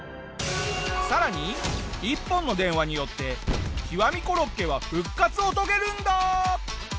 さらに一本の電話によって極みコロッケは復活を遂げるんだ！